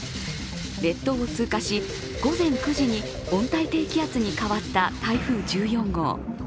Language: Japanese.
列島を通過し、午前９時に温帯低気圧に変わった台風１４号。